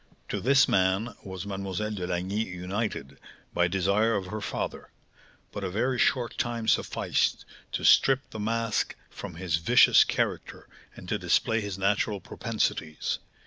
To this man was Mlle. de Lagny united, by desire of her father; but a very short time sufficed to strip the mask from his vicious character, and to display his natural propensities.